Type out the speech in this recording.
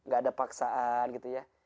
gak ada paksaan gitu ya